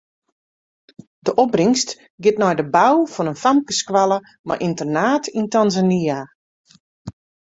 De opbringst giet nei de bou fan in famkesskoalle mei ynternaat yn Tanzania.